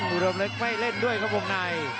อุดมเล็กไม่เล่นด้วยครับวงใน